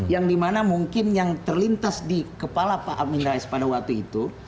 yang dimana mungkin yang terlintas di kepala pak amin rais pada waktu itu